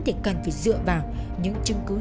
thì cần phải dựa vào những chứng cứ